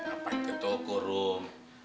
apa yang ke toko ruh